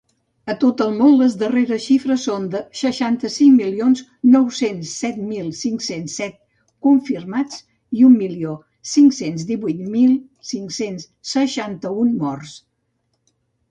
A tot el món, les darreres xifres són de seixanta-cinc milions nou-cents set mil cinc-cents set confirmats i un milió cinc-cents divuit mil cinc-cents seixanta-un morts.